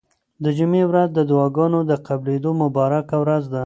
د جمعې ورځ د دعاګانو د قبلېدو مبارکه ورځ ده.